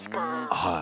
はい。